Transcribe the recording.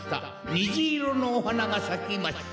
にじいろのおはながさきました。